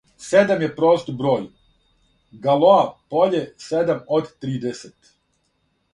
Седам је прост број. Галоа поље седам од тридесет.